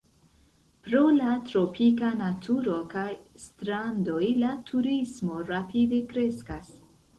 Pro la tropika naturo kaj strandoj la turismo rapide kreskas.